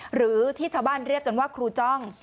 หรือที่ชาวบ้านเรียกกันว่าครูจ้อง